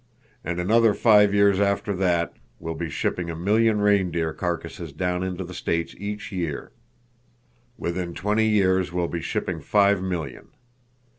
And another five years after that, we'll he shipping a million reindeer carcasses down into the States each year. Within twenty years we'll be shipping five million.